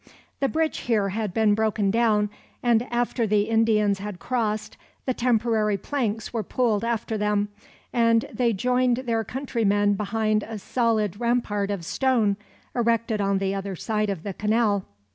The bridge here had been broken down, and after the Indians had crossed, the temporary planks were pulled after them, and they joined their countrymen behind a solid rampart of stone, erected on the other side of the canal.